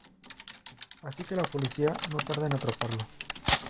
Así que la policía no tarda en atraparlo.